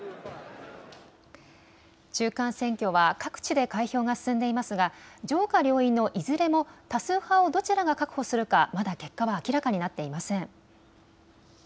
中間選挙は各地で開票が進んでいますが上下両院のいずれも多数派をどちらが確保するか、まだ結果は明らかになっていません。